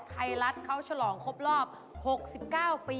ไทยรัฐเขาฉลองครบรอบ๖๙ปี